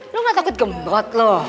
lo gak takut gembot loh